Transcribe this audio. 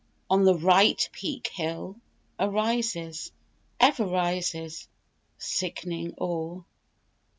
On the right Peak Hill arises Ever rises, sickening, o'er.